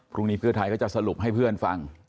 พรุ่งนี้เพื่อไทยก็จะสรุปให้เพื่อนฟัง